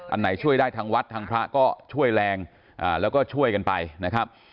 อันไหนช่วยได้ทางวัดทางพระก็ช่วยแรงแล้วก็ช่วยกันไปนะครับ